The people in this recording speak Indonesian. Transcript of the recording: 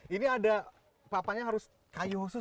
ini ada papanya harus kayu khusus